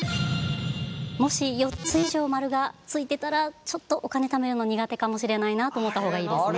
もし４つ以上○が付いてたらちょっとお金ためるの苦手かもしれないなと思った方がいいですね。